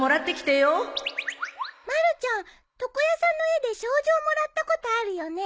まるちゃん床屋さんの絵で賞状もらったことあるよね。